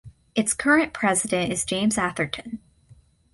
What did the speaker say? Its current president is James Atherton.